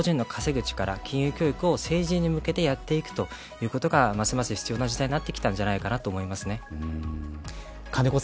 個人の稼ぐ力、金融教育を成人に向けて、やっていくことがますます必要な事態になってきたんじゃないかと思います。